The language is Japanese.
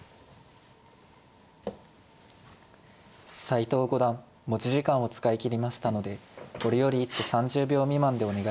斎藤五段持ち時間を使い切りましたのでこれより一手３０秒未満でお願いします。